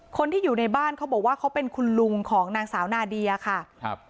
คนที่อยู่ในบ้านเขาบอกว่าเขาเป็นคุณลุงของนางสาวนาเดียค่ะครับ